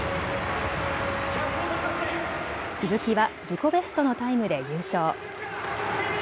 鈴木は自己ベストのタイムで優勝。